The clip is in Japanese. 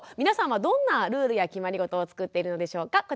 皆さんはどんなルールや決まりごとを作っているのでしょうか。